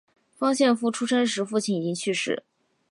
方献夫出生时父亲已经去世。